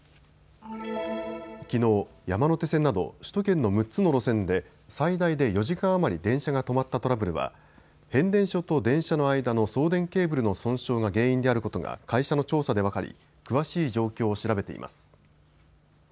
きのう、山手線など首都圏の６つの路線で最大で４時間余り電車が止まったトラブルは変電所と電車の間の送電ケーブルの損傷が原因であることが会社の調査で分かり詳しい状況を調べています。